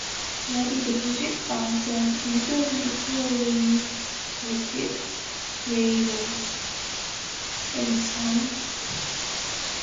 Wadi deposits are thus usually poorly sorted gravels and sands.